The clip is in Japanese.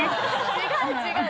違う違う！